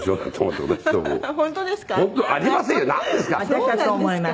私はそう思います。